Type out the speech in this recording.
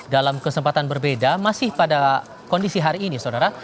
dalam kesempatan berbeda masih pada kondisi hari ini saudara